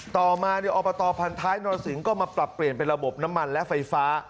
ต่อมาอบตพันท้ายนรสิงก็มาปรับเปลี่ยนเป็นระบบน้ำมันและไฟฟ้า